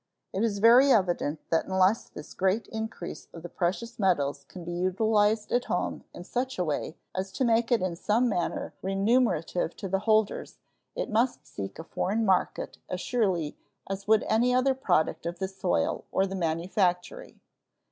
It is very evident that unless this great increase of the precious metals can be utilized at home in such a way as to make it in some manner remunerative to the holders it must seek a foreign market as surely as would any other product of the soil or the manufactory.